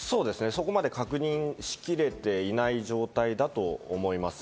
そこまで確認しきれていない状況だと思います。